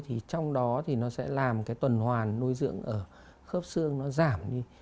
thì trong đó thì nó sẽ làm cái tuần hoàn nuôi dưỡng ở khớp xương nó giảm đi